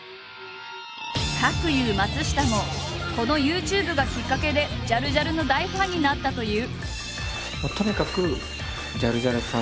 かくいう松下もこのＹｏｕＴｕｂｅがきっかけでジャルジャルの大ファンになったという。